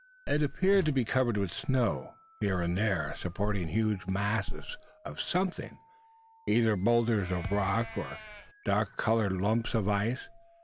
It appeared to be covered with snow here and there supporting huge masses of something, either boulders of rock, or dark coloured lumps of ice.